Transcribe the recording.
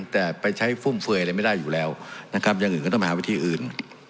แต่ไปใช้ฟุ่มเฟือยอะไรไม่ได้อยู่แล้วนะครับอย่างอื่นก็ต้องไปหาวิธีอื่น